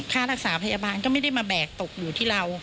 ค่ารักษาพยาบาลก็ไม่ได้มาแบกตกอยู่ที่เรา